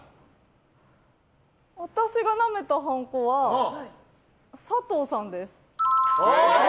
私がなめたハンコは佐藤さんです。